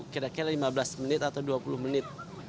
kira kira lima belas menit atau dua puluh menit